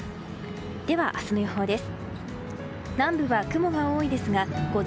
では、明日の予報です。